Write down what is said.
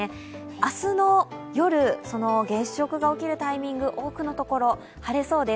明日の夜、月食が起きるタイミング、多くのところ晴れそうです。